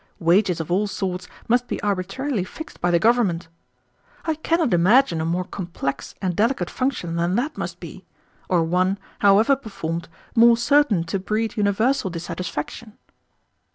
Wages of all sorts must be arbitrarily fixed by the government. I cannot imagine a more complex and delicate function than that must be, or one, however performed, more certain to breed universal dissatisfaction."